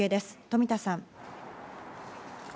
富田さん。